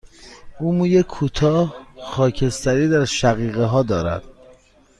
او موی کوتاه، خاکستری در شقیقه ها دارد.